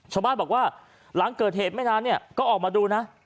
ชาวบ้านบอกว่าหลังเกิดเหตุไม่นานเนี่ยก็ออกมาดูนะ